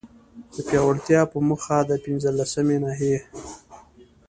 د پياوړتيا په موخه، د پنځلسمي ناحيي